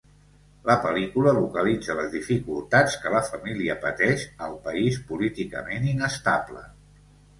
La pel·lícula localitza les dificultats que la família pateix al país políticament inestable.